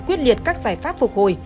quyết liệt các giải pháp phục hồi